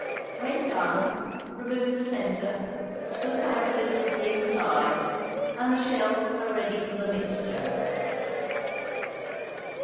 When done, remove the centre, scoop out a little of the inside, and the shells are ready for the mixture.